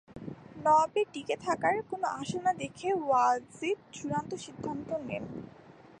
নওয়াবের টিকে থাকার কোনো আশা না দেখে ওয়াজিদ চূড়ান্ত সিদ্ধান্ত নেন।